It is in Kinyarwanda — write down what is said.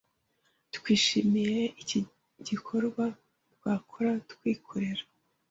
Twishimiye iki gikorwe twekorege twikorere